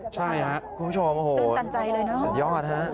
ใช่ครับตื่นตันใจเลยนะสุดยอดฮะคุณผู้ชม